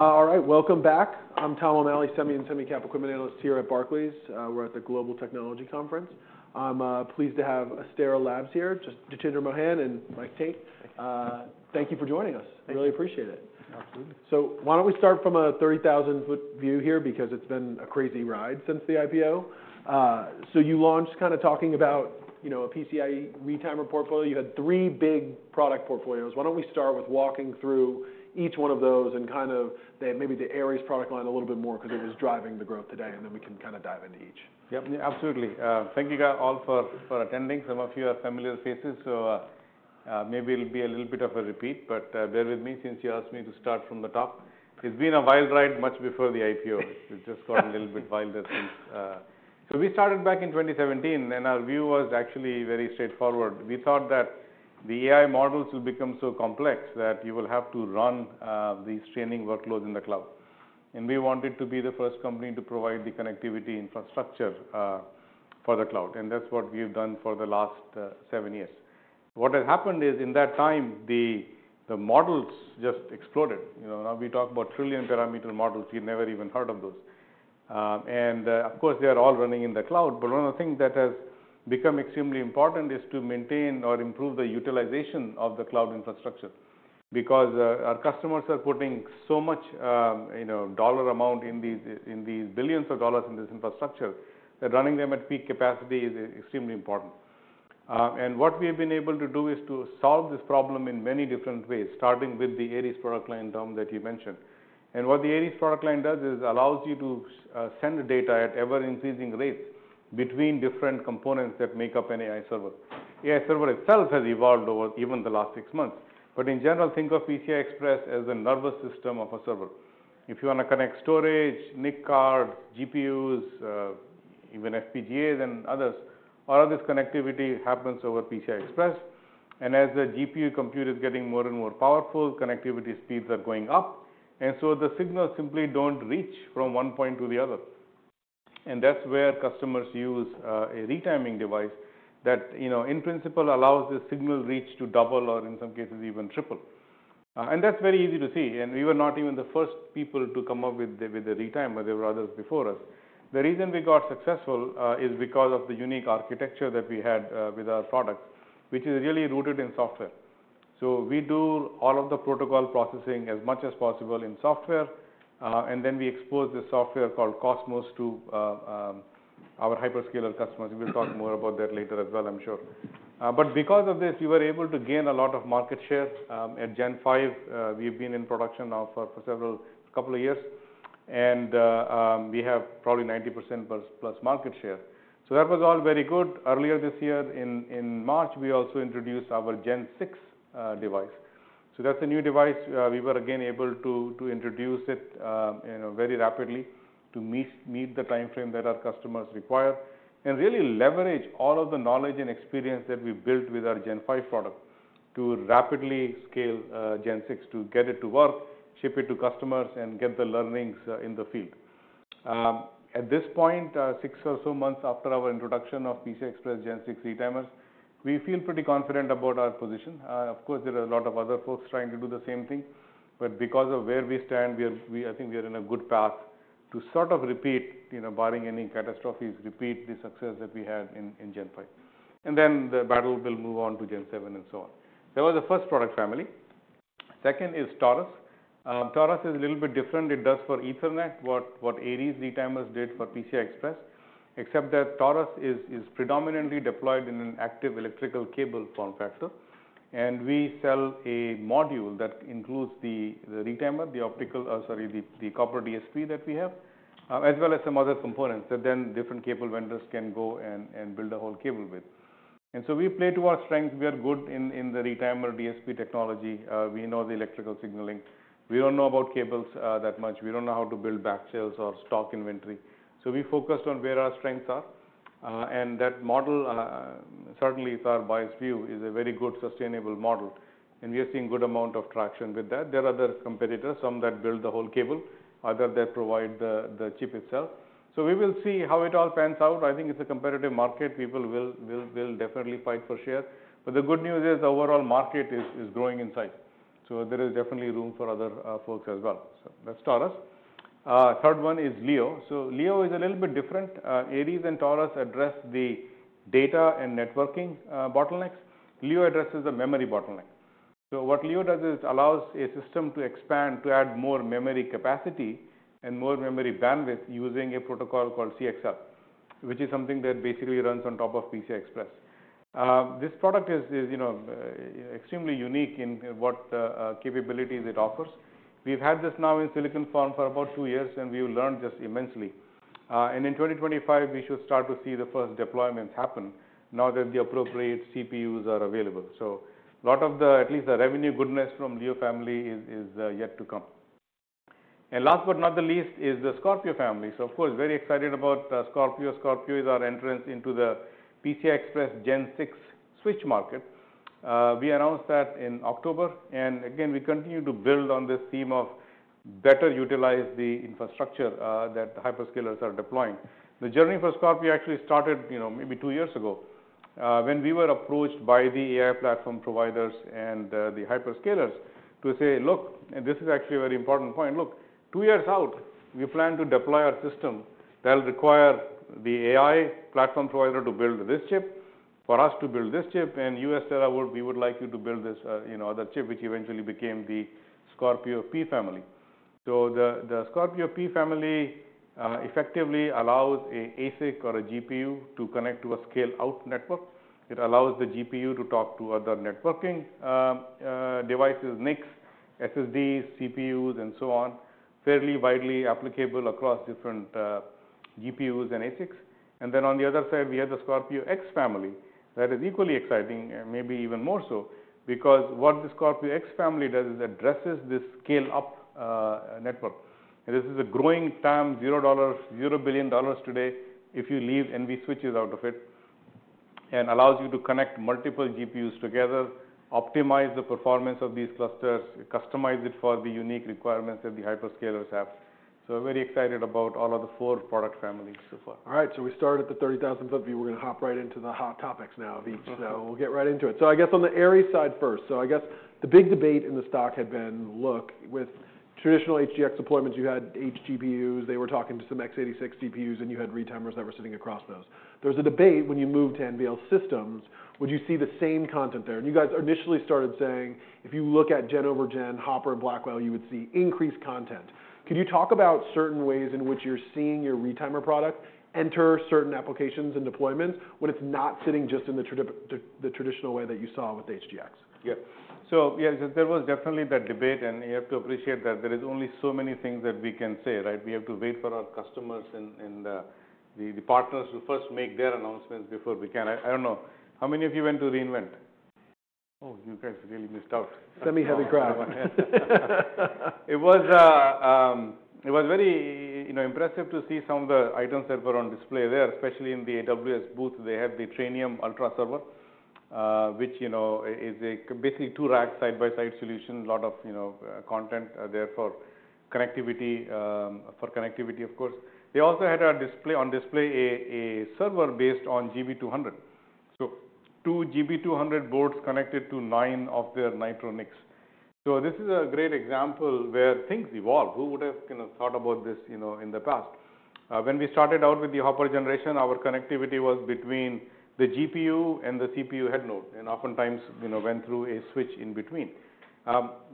All right, welcome back. I'm Tom O'Malley, semi and semi-cap equipment analyst here at Barclays. We're at the Global Technology Conference. I'm pleased to have Astera Labs here, Jitendra Mohan and Mike Tate. Thank you for joining us. Really appreciate it. Absolutely. So why don't we start from a 30,000-foot view here because it's been a crazy ride since the IPO? So you launched kind of talking about a PCIe retimer portfolio. You had three big product portfolios. Why don't we start with walking through each one of those and kind of maybe the Aries product line a little bit more because it was driving the growth today, and then we can kind of dive into each. Yep, absolutely. Thank you all for attending. Some of you are familiar faces, so maybe it'll be a little bit of a repeat, but bear with me since you asked me to start from the top. It's been a wild ride much before the IPO. It's just gotten a little bit wilder since. So we started back in 2017, and our view was actually very straightforward. We thought that the AI models will become so complex that you will have to run these training workloads in the cloud. And we wanted to be the first company to provide the connectivity infrastructure for the cloud, and that's what we've done for the last seven years. What has happened is in that time, the models just exploded. Now we talk about trillion-parameter models. You've never even heard of those. And of course, they are all running in the cloud, but one of the things that has become extremely important is to maintain or improve the utilization of the cloud infrastructure because our customers are putting so much dollar amount in these billions of dollars in this infrastructure that running them at peak capacity is extremely important. And what we have been able to do is to solve this problem in many different ways, starting with the Aries product line term that you mentioned. And what the Aries product line does is allows you to send data at ever-increasing rates between different components that make up an AI server. AI server itself has evolved over even the last six months, but in general, think of PCI Express as a nervous system of a server. If you want to connect storage, NIC cards, GPUs, even FPGAs and others, all of this connectivity happens over PCI Express. And as the GPU compute is getting more and more powerful, connectivity speeds are going up, and so the signals simply don't reach from one point to the other. And that's where customers use a retimer device that, in principle, allows the signal reach to double or, in some cases, even triple. And that's very easy to see. And we were not even the first people to come up with the retimer. There were others before us. The reason we got successful is because of the unique architecture that we had with our products, which is really rooted in software. So we do all of the protocol processing as much as possible in software, and then we expose the software called Cosmos to our hyperscaler customers. We will talk more about that later as well, I'm sure. But because of this, we were able to gain a lot of market share. At Gen 5, we've been in production now for a couple of years, and we have probably 90% plus market share. So that was all very good. Earlier this year, in March, we also introduced our Gen 6 device. So that's a new device. We were again able to introduce it very rapidly to meet the time frame that our customers require and really leverage all of the knowledge and experience that we built with our Gen 5 product to rapidly scale Gen 6, to get it to work, ship it to customers, and get the learnings in the field. At this point, six or so months after our introduction of PCI Express Gen 6 retimers, we feel pretty confident about our position. Of course, there are a lot of other folks trying to do the same thing, but because of where we stand, I think we are in a good path to sort of repeat, barring any catastrophes, repeat the success that we had in Gen 5. And then the battle will move on to Gen 7 and so on. That was the first product family. Second is Taurus. Taurus is a little bit different. It does for Ethernet what Aries retimers did for PCI Express, except that Taurus is predominantly deployed in an active electrical cable form factor. And we sell a module that includes the retimer, the optical, sorry, the copper DSP that we have, as well as some other components that then different cable vendors can go and build a whole cable with. And so we play to our strengths. We are good in the retimer DSP technology. We know the electrical signaling. We don't know about cables that much. We don't know how to build backshells or stock inventory. So we focused on where our strengths are. And that model, certainly it's our biased view, is a very good sustainable model. And we are seeing a good amount of traction with that. There are other competitors, some that build the whole cable, others that provide the chip itself. So we will see how it all pans out. I think it's a competitive market. People will definitely fight for share. But the good news is the overall market is growing in size. So there is definitely room for other folks as well. So that's Taurus. Third one is Leo. So Leo is a little bit different. Aries and Taurus address the data and networking bottlenecks. Leo addresses the memory bottleneck. So what Leo does is allows a system to expand, to add more memory capacity and more memory bandwidth using a protocol called CXL, which is something that basically runs on top of PCI Express. This product is extremely unique in what capabilities it offers. We've had this now in silicon form for about two years, and we've learned just immensely. And in 2025, we should start to see the first deployments happen now that the appropriate CPUs are available. So a lot of the, at least the revenue goodness from Leo family is yet to come. And last but not the least is the Scorpio family. So of course, very excited about Scorpio. Scorpio is our entrance into the PCI Express Gen 6 switch market. We announced that in October. And again, we continue to build on this theme of better utilize the infrastructure that the hyperscalers are deploying. The journey for Scorpio actually started maybe two years ago when we were approached by the AI platform providers and the hyperscalers to say, "Look," and this is actually a very important point, "Look, two years out, we plan to deploy our system that will require the AI platform provider to build this chip, for us to build this chip, and you, Astera, we would like you to build this other chip," which eventually became the Scorpio P family. So the Scorpio P family effectively allows an ASIC or a GPU to connect to a scale-out network. It allows the GPU to talk to other networking devices, NICs, SSDs, CPUs, and so on, fairly widely applicable across different GPUs and ASICs. And then on the other side, we have the Scorpio X family that is equally exciting, maybe even more so, because what the Scorpio X family does is addresses this scale-up network. And this is a growing TAM, $0 billion today, if you leave NVSwitches out of it, and allows you to connect multiple GPUs together, optimize the performance of these clusters, customize it for the unique requirements that the hyperscalers have. So very excited about all of the four product families so far. All right, so we started at the 30,000-foot view. We're going to hop right into the hot topics now of each. So we'll get right into it. So I guess on the Aries side first, so I guess the big debate in the stock had been, look, with traditional HGX deployments, you had H100 GPUs, they were talking to some x86 CPUs, and you had retimers that were sitting across those. There was a debate when you moved to NVL systems, would you see the same content there? And you guys initially started saying, "If you look at Gen over Gen, Hopper and Blackwell, you would see increased content." Could you talk about certain ways in which you're seeing your retimer product enter certain applications and deployments when it's not sitting just in the traditional way that you saw with the HGX? Yeah. So yeah, there was definitely that debate, and you have to appreciate that there are only so many things that we can say, right? We have to wait for our customers and the partners to first make their announcements before we can. I don't know. How many of you went to re:Invent? Oh, you guys really missed out. Semi-heavy crowd. It was very impressive to see some of the items that were on display there, especially in the AWS booth. They have the Trainium Ultra server, which is basically a two-rack side-by-side solution, a lot of content there for connectivity, of course. They also had on display a server based on GB200. So two GB200 boards connected to nine of their Nitro NICs. So this is a great example where things evolve. Who would have thought about this in the past? When we started out with the Hopper generation, our connectivity was between the GPU and the CPU Head Node, and oftentimes went through a switch in between.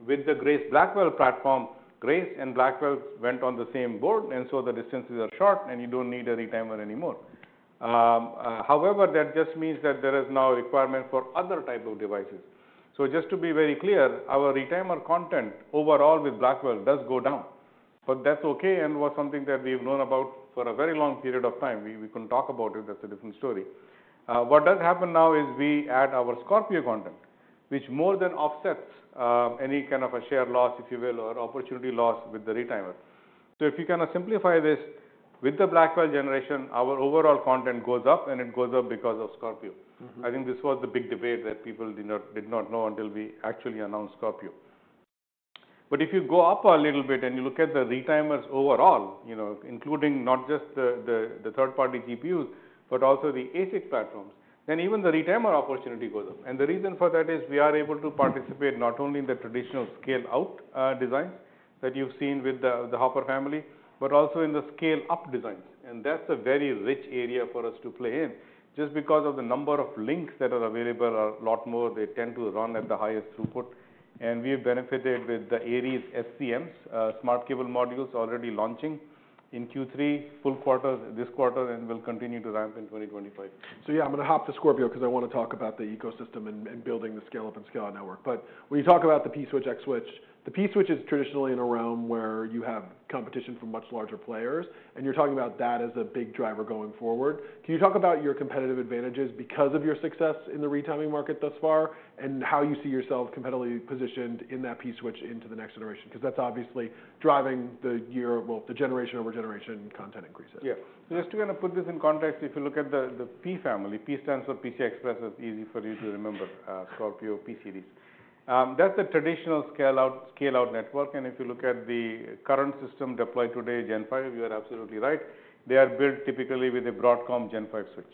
With the Grace Blackwell platform, Grace and Blackwell went on the same board, and so the distances are short, and you don't need a retimer anymore. However, that just means that there is now a requirement for other types of devices. So just to be very clear, our retimer content overall with Blackwell does go down, but that's okay and was something that we've known about for a very long period of time. We couldn't talk about it. That's a different story. What does happen now is we add our Scorpio content, which more than offsets any kind of a share loss, if you will, or opportunity loss with the retimer. So if you kind of simplify this, with the Blackwell generation, our overall content goes up, and it goes up because of Scorpio. I think this was the big debate that people did not know until we actually announced Scorpio. But if you go up a little bit and you look at the retimers overall, including not just the third-party GPUs, but also the ASIC platforms, then even the retimer opportunity goes up. And the reason for that is we are able to participate not only in the traditional scale-out designs that you've seen with the Hopper family, but also in the scale-up designs. And that's a very rich area for us to play in. Just because of the number of links that are available are a lot more, they tend to run at the highest throughput. And we have benefited with the Aries SCMs, smart cable modules already launching in Q3, full quarter, this quarter, and will continue to ramp in 2025. Yeah, I'm going to hop to Scorpio because I want to talk about the ecosystem and building the scale-up and scale-out network. But when you talk about the P switch, X switch, the P switch is traditionally in a realm where you have competition from much larger players, and you're talking about that as a big driver going forward. Can you talk about your competitive advantages because of your success in the retimer market thus far and how you see yourself competitively positioned in that P switch into the next generation? Because that's obviously driving the year, well, the generation-over-generation content increases. Yeah. So just to kind of put this in context, if you look at the P family, P stands for PCI Express, that's easy for you to remember, Scorpio P-Series. That's the traditional scale-out network. And if you look at the current system deployed today, Gen 5, you are absolutely right. They are built typically with a Broadcom Gen 5 switch.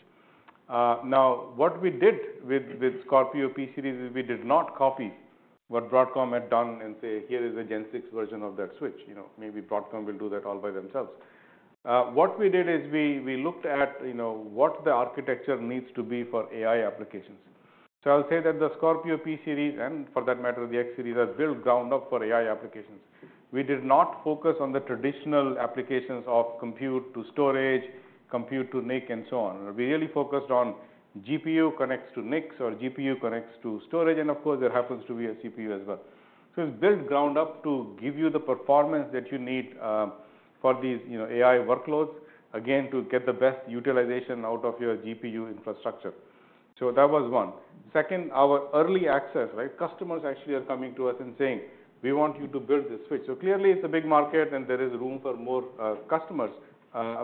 Now, what we did with Scorpio P-Series is we did not copy what Broadcom had done and say, "Here is a Gen 6 version of that switch." Maybe Broadcom will do that all by themselves. What we did is we looked at what the architecture needs to be for AI applications. So I'll say that the Scorpio P-Series and for that matter, the X-Series are built ground up for AI applications. We did not focus on the traditional applications of compute to storage, compute to NIC, and so on. We really focused on GPU connects to NICs or GPU connects to storage, and of course, there happens to be a CPU as well. So it's built ground up to give you the performance that you need for these AI workloads, again, to get the best utilization out of your GPU infrastructure. So that was one. Second, our early access, right? Customers actually are coming to us and saying, "We want you to build this switch." So clearly, it's a big market, and there is room for more customers,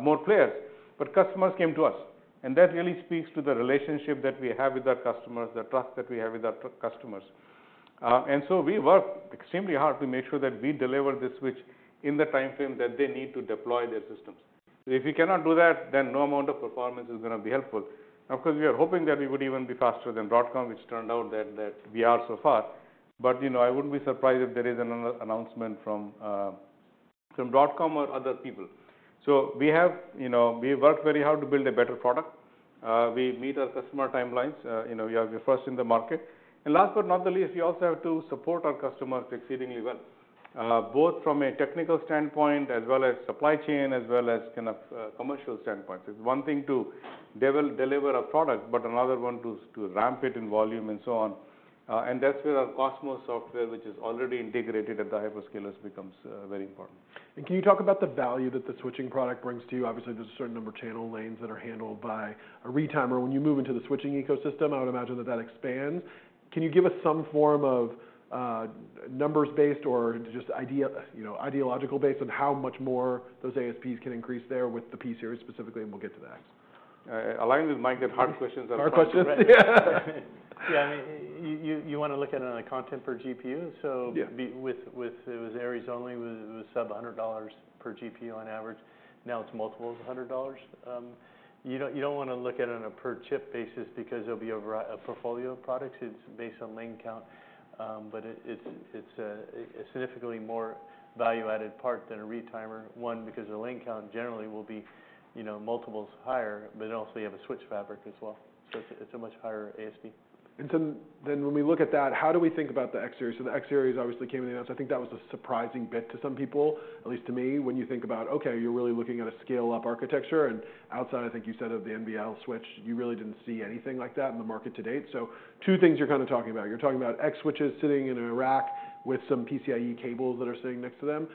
more players. But customers came to us, and that really speaks to the relationship that we have with our customers, the trust that we have with our customers. We work extremely hard to make sure that we deliver this switch in the time frame that they need to deploy their systems. If we cannot do that, then no amount of performance is going to be helpful. Of course, we are hoping that we would even be faster than Broadcom, which turned out that we are so far. I wouldn't be surprised if there is an announcement from Broadcom or other people. We have worked very hard to build a better product. We meet our customer timelines. We are first in the market. Last but not the least, we also have to support our customers exceedingly well, both from a technical standpoint as well as supply chain, as well as kind of commercial standpoints. It's one thing to deliver a product, but another one to ramp it in volume and so on. That's where our Cosmos software, which is already integrated at the hyperscalers, becomes very important. And can you talk about the value that the switching product brings to you? Obviously, there's a certain number of channel lanes that are handled by a retimer. When you move into the switching ecosystem, I would imagine that that expands. Can you give us some form of numbers-based or just ideological base on how much more those ASPs can increase there with the P Series specifically? And we'll get to that. Allowing these mic and hard questions outside. Hard questions. Yeah. Yeah, I mean, you want to look at it on a cost per GPU. So it was Aries only, it was sub $100 per GPU on average. Now it's multiples of $100. You don't want to look at it on a per chip basis because there'll be a portfolio of products. It's based on lane count, but it's a significantly more value-added part than a retimer, one, because the lane count generally will be multiples higher, but also you have a switch fabric as well. So it's a much higher ASP. And then when we look at that, how do we think about the X series? So the X series obviously came in the announcement. I think that was a surprising bit to some people, at least to me, when you think about, "Okay, you're really looking at a scale-up architecture." And outside, I think you said of the NVL switch, you really didn't see anything like that in the market to date. So two things you're kind of talking about. You're talking about X switches sitting in a rack with some PCIe cables that are sitting next to them.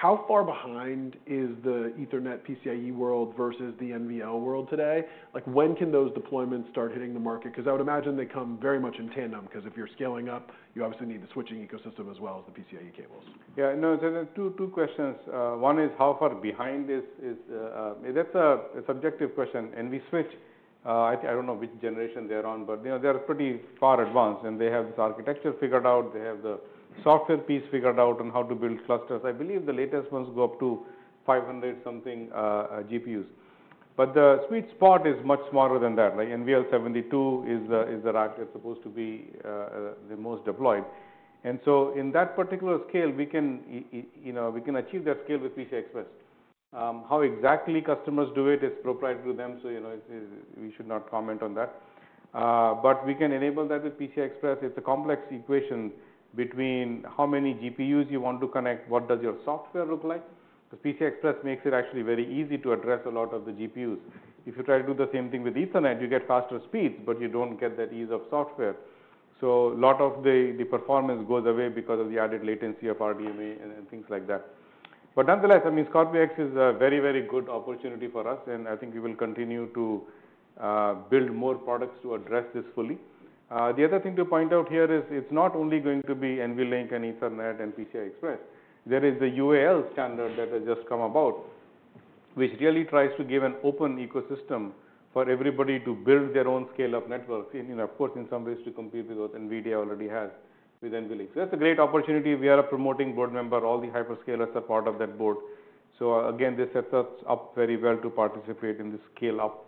How far behind is the Ethernet PCIe world versus the NVL world today? When can those deployments start hitting the market? Because I would imagine they come very much in tandem because if you're scaling up, you obviously need the switching ecosystem as well as the PCIe cables. Yeah, no, two questions. One is how far behind is that. That's a subjective question. NV switch, I don't know which generation they're on, but they are pretty far advanced, and they have this architecture figured out. They have the software piece figured out on how to build clusters. I believe the latest ones go up to 500-something GPUs. But the sweet spot is much smaller than that. NVL72 is the rack that's supposed to be the most deployed. And so in that particular scale, we can achieve that scale with PCI Express. How exactly customers do it is proprietary to them, so we should not comment on that. But we can enable that with PCI Express. It's a complex equation between how many GPUs you want to connect, what does your software look like. Because PCI Express makes it actually very easy to address a lot of the GPUs. If you try to do the same thing with Ethernet, you get faster speeds, but you don't get that ease of software. So a lot of the performance goes away because of the added latency of RDMA and things like that. But nonetheless, I mean, Scorpio X is a very, very good opportunity for us, and I think we will continue to build more products to address this fully. The other thing to point out here is it's not only going to be NVLink and Ethernet and PCI Express. There is the UAL standard that has just come about, which really tries to give an open ecosystem for everybody to build their own scale-up networks, and of course, in some ways to compete with what NVIDIA already has with NVLink. So that's a great opportunity. We are a promoting board member. All the hyperscalers are part of that board. So again, this sets us up very well to participate in this scale-up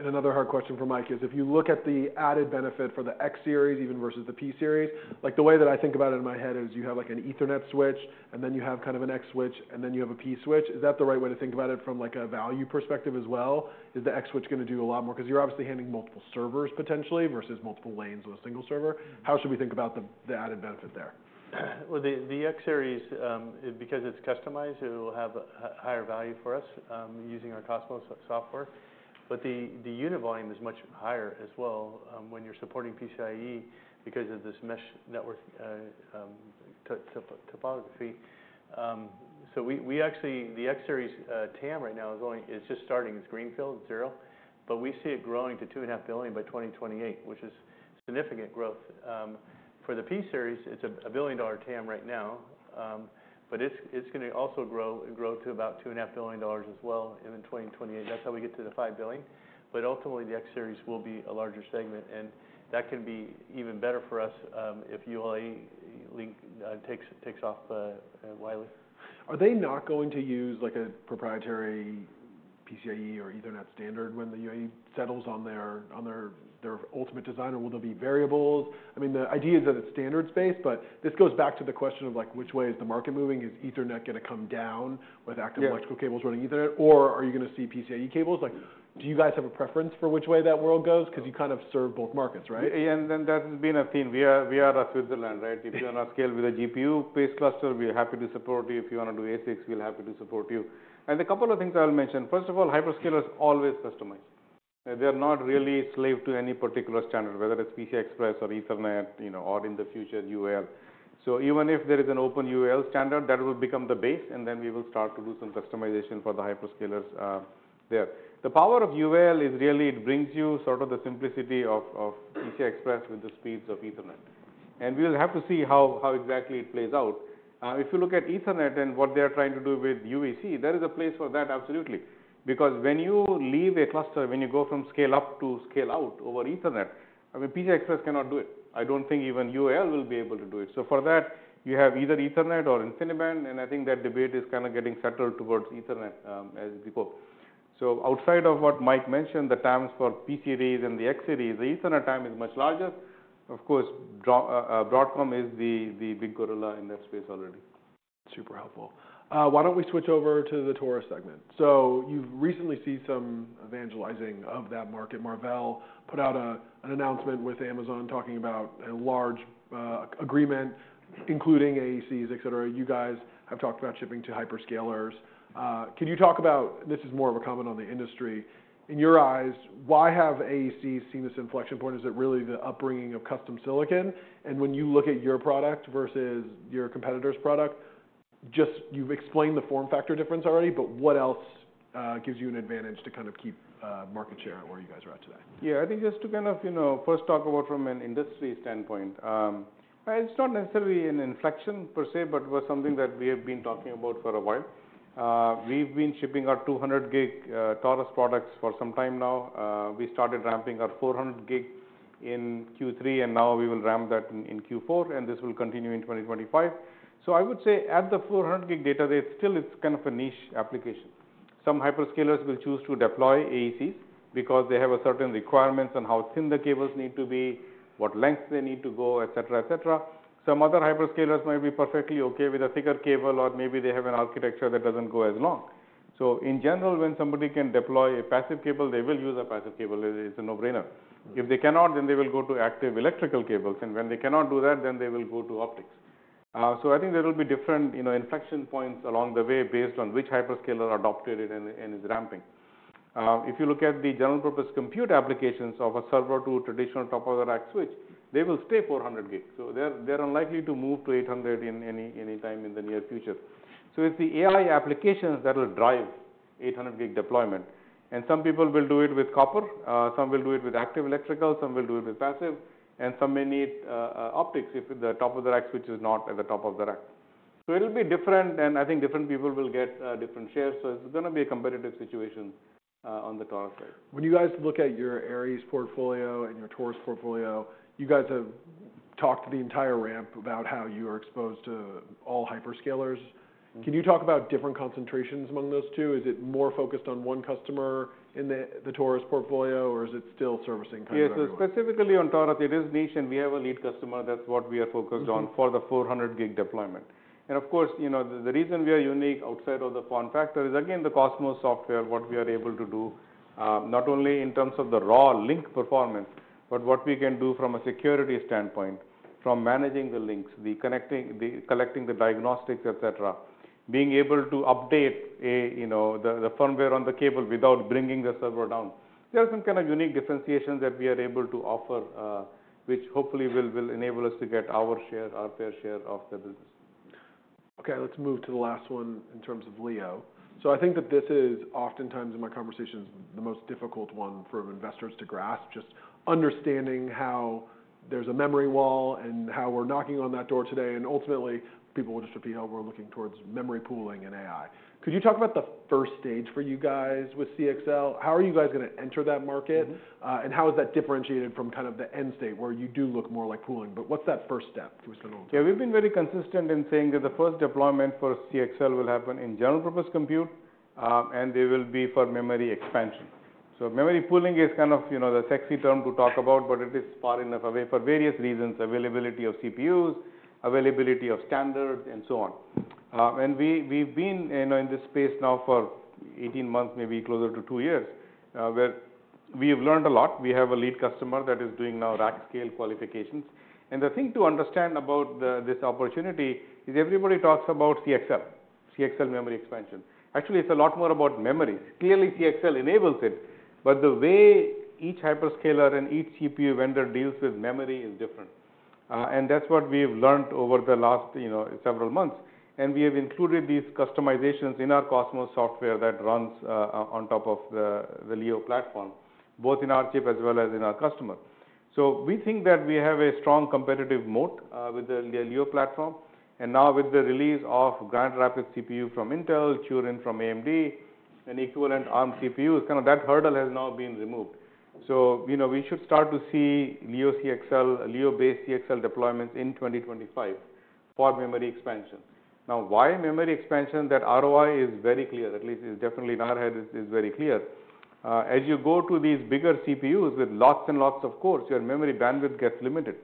TAM. Another hard question for Mike is if you look at the added benefit for the X series, even versus the P series, the way that I think about it in my head is you have an Ethernet switch, and then you have kind of an X switch, and then you have a P switch. Is that the right way to think about it from a value perspective as well? Is the X switch going to do a lot more? Because you're obviously handling multiple servers potentially versus multiple lanes with a single server. How should we think about the added benefit there? The X series, because it's customized, it will have a higher value for us using our Cosmos software. But the unit volume is much higher as well when you're supporting PCIe because of this mesh network topology. So we actually, the X series TAM right now is just starting. It's greenfield, zero. But we see it growing to $2.5 billion by 2028, which is significant growth. For the P series, it's a $1 billion TAM right now, but it's going to also grow to about $2.5 billion as well in 2028. That's how we get to the $5 billion. But ultimately, the X series will be a larger segment, and that can be even better for us if UAL takes off widely. Are they not going to use a proprietary PCIe or Ethernet standard when the UAE settles on their ultimate design, or will there be variables? I mean, the idea is that it's standards-based, but this goes back to the question of which way is the market moving? Is Ethernet going to come down with active electrical cables running Ethernet, or are you going to see PCIe cables? Do you guys have a preference for which way that world goes? Because you kind of serve both markets, right? Yeah, and then that has been a theme. We are Switzerland, right? If you want to scale with a GPU-based cluster, we're happy to support you. If you want to do ASICs, we're happy to support you. And a couple of things I'll mention. First of all, hyperscalers always customize. They're not really slave to any particular standard, whether it's PCI Express or Ethernet or in the future UAL. So even if there is an open UAL standard, that will become the base, and then we will start to do some customization for the hyperscalers there. The power of UAL is really it brings you sort of the simplicity of PCI Express with the speeds of Ethernet. And we will have to see how exactly it plays out. If you look at Ethernet and what they are trying to do with UAL, there is a place for that, absolutely. Because when you leave a cluster, when you go from scale-up to scale-out over Ethernet, I mean, PCI Express cannot do it. I don't think even UAL will be able to do it. So for that, you have either Ethernet or InfiniBand, and I think that debate is kind of getting settled towards Ethernet as before. So outside of what Mike mentioned, the TAMs for P Series and the X Series, the Ethernet TAM is much larger. Of course, Broadcom is the big gorilla in that space already. Super helpful. Why don't we switch over to the Taurus segment? So you've recently seen some evangelizing of that market. Marvell put out an announcement with Amazon talking about a large agreement, including AECs, etc. You guys have talked about shipping to hyperscalers. Can you talk about, and this is more of a comment on the industry, in your eyes, why have AECs seen this inflection point? Is it really the upbringing of custom silicon? And when you look at your product versus your competitor's product, just you've explained the form factor difference already, but what else gives you an advantage to kind of keep market share at where you guys are at today? Yeah, I think just to kind of first talk about from an industry standpoint, it's not necessarily an inflection per se, but it was something that we have been talking about for a while. We've been shipping our 200-gig Taurus products for some time now. We started ramping our 400-gig in Q3, and now we will ramp that in Q4, and this will continue in 2025. So I would say at the 400-gig data, still it's kind of a niche application. Some hyperscalers will choose to deploy AECs because they have certain requirements on how thin the cables need to be, what length they need to go, etc., etc. Some other hyperscalers might be perfectly okay with a thicker cable, or maybe they have an architecture that doesn't go as long. So in general, when somebody can deploy a passive cable, they will use a passive cable. It's a no-brainer. If they cannot, then they will go to active electrical cables. And when they cannot do that, then they will go to optics. So I think there will be different inflection points along the way based on which hyperscaler adopted it and is ramping. If you look at the general-purpose compute applications of a server to traditional top-of-the-rack switch, they will stay 400-gig. So they're unlikely to move to 800 anytime in the near future. So it's the AI applications that will drive 800-gig deployment. And some people will do it with copper. Some will do it with active electrical. Some will do it with passive. And some may need optics if the top of the rack switch is not at the top of the rack. So it'll be different, and I think different people will get different shares. It's going to be a competitive situation on the Taurus side. When you guys look at your Aries portfolio and your Taurus portfolio, you guys have talked to the entire ramp about how you are exposed to all hyperscalers. Can you talk about different concentrations among those two? Is it more focused on one customer in the Taurus portfolio, or is it still servicing kind of everyone? Yes, specifically on Taurus, it is niche, and we have a lead customer. That's what we are focused on for the 400-gig deployment, and of course, the reason we are unique outside of the form factor is, again, the Cosmos software, what we are able to do, not only in terms of the raw link performance, but what we can do from a security standpoint, from managing the links, collecting the diagnostics, etc., being able to update the firmware on the cable without bringing the server down. There are some kind of unique differentiations that we are able to offer, which hopefully will enable us to get our share, our fair share of the business. Okay, let's move to the last one in terms of Leo. So I think that this is oftentimes in my conversations the most difficult one for investors to grasp, just understanding how there's a memory wall and how we're knocking on that door today. And ultimately, people feel we're looking towards memory pooling and AI. Could you talk about the first stage for you guys with CXL? How are you guys going to enter that market? And how is that differentiated from kind of the end state where you do look more like pooling? But what's that first step? Can we spend a little time? Yeah, we've been very consistent in saying that the first deployment for CXL will happen in general-purpose compute, and they will be for memory expansion. So memory pooling is kind of the sexy term to talk about, but it is far enough away for various reasons: availability of CPUs, availability of standards, and so on. And we've been in this space now for 18 months, maybe closer to two years, where we have learned a lot. We have a lead customer that is doing now rack scale qualifications. And the thing to understand about this opportunity is everybody talks about CXL, CXL memory expansion. Actually, it's a lot more about memories. Clearly, CXL enables it, but the way each hyperscaler and each CPU vendor deals with memory is different. And that's what we've learned over the last several months. And we have included these customizations in our Cosmos software that runs on top of the Leo platform, both in our chip as well as in our customer. So we think that we have a strong competitive moat with the Leo platform. And now with the release of Grand Rapids CPU from Intel, Turin from AMD, and equivalent ARM CPUs, kind of that hurdle has now been removed. So we should start to see Leo CXL, Leo-based CXL deployments in 2025 for memory expansion. Now, why memory expansion? That ROI is very clear. At least it's definitely in our head is very clear. As you go to these bigger CPUs with lots and lots of cores, your memory bandwidth gets limited.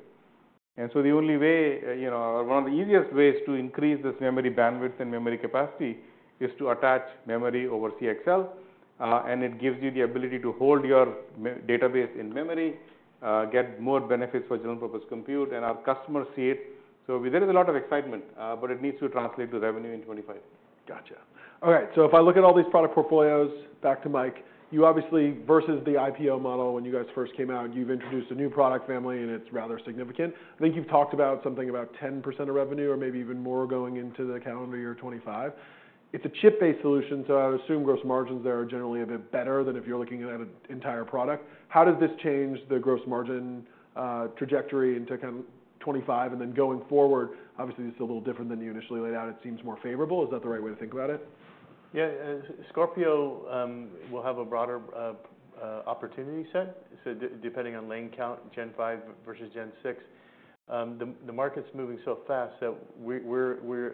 And so the only way, or one of the easiest ways to increase this memory bandwidth and memory capacity is to attach memory over CXL. It gives you the ability to hold your database in memory, get more benefits for general-purpose compute, and our customers see it. So there is a lot of excitement, but it needs to translate to revenue in 2025. Gotcha. Okay, so if I look at all these product portfolios, back to Mike, you obviously, versus the IPO model when you guys first came out, you've introduced a new product family, and it's rather significant. I think you've talked about something about 10% of revenue or maybe even more going into the calendar year 2025. It's a chip-based solution, so I would assume gross margins there are generally a bit better than if you're looking at an entire product. How does this change the gross margin trajectory into kind of 2025? And then going forward, obviously, this is a little different than you initially laid out. It seems more favorable. Is that the right way to think about it? Yeah, Scorpio will have a broader opportunity set. So depending on lane count, Gen 5 versus Gen 6, the market's moving so fast that we've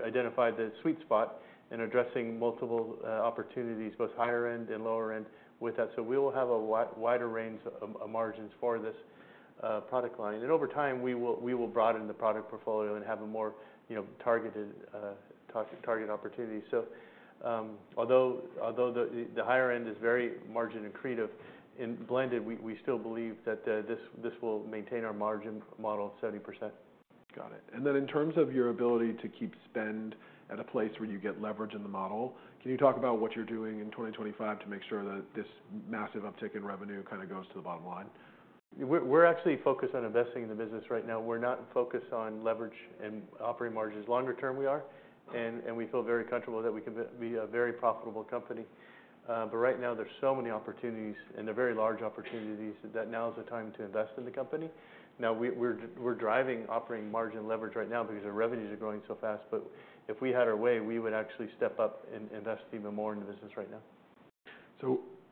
identified the sweet spot in addressing multiple opportunities, both higher-end and lower-end with that. So we will have a wider range of margins for this product line. And over time, we will broaden the product portfolio and have a more targeted opportunity. So although the higher-end is very margin accretive and blended, we still believe that this will maintain our margin model of 70%. Got it. And then in terms of your ability to keep spend at a place where you get leverage in the model, can you talk about what you're doing in 2025 to make sure that this massive uptick in revenue kind of goes to the bottom line? We're actually focused on investing in the business right now. We're not focused on leverage and operating margins longer-term, we are, and we feel very comfortable that we can be a very profitable company, but right now, there's so many opportunities and they're very large opportunities that now is the time to invest in the company. Now, we're driving operating margin leverage right now because our revenues are growing so fast, but if we had our way, we would actually step up and invest even more in the business right now.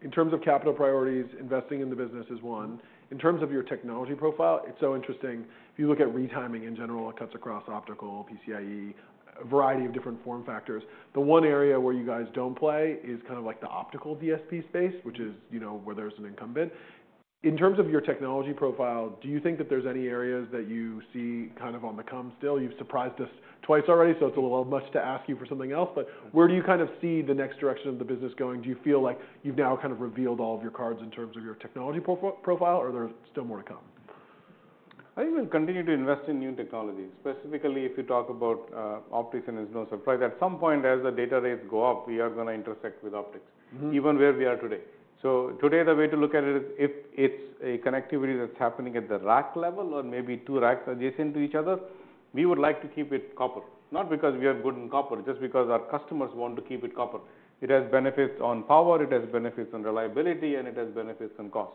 In terms of capital priorities, investing in the business is one. In terms of your technology profile, it's so interesting. If you look at retiming in general, it cuts across optical, PCIe, a variety of different form factors. The one area where you guys don't play is kind of like the optical DSP space, which is where there's an incumbent. In terms of your technology profile, do you think that there's any areas that you see kind of on the come still? You've surprised us twice already, so it's a little much to ask you for something else. But where do you kind of see the next direction of the business going? Do you feel like you've now kind of revealed all of your cards in terms of your technology profile, or there's still more to come? I think we'll continue to invest in new technologies. Specifically, if you talk about optics, and it's no surprise, at some point as the data rates go up, we are going to intersect with optics, even where we are today. So today, the way to look at it is if it's a connectivity that's happening at the rack level or maybe two racks adjacent to each other, we would like to keep it copper. Not because we are good in copper, just because our customers want to keep it copper. It has benefits on power, it has benefits on reliability, and it has benefits on cost.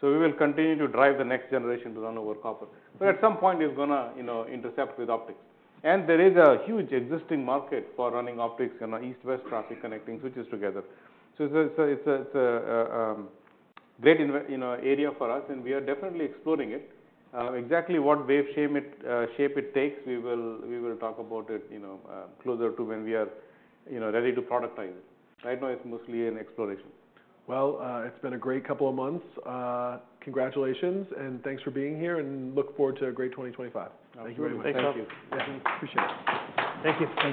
So we will continue to drive the next generation to run over copper. But at some point, it's going to intercept with optics. And there is a huge existing market for running optics on the east-west traffic connecting switches together. So it's a great area for us, and we are definitely exploring it. Exactly what wave shape it takes, we will talk about it closer to when we are ready to productize it. Right now, it's mostly in exploration. It's been a great couple of months. Congratulations, and thanks for being here, and look forward to a great 2025. Thank you very much. Thanks. Thank you. Appreciate it. Thank you.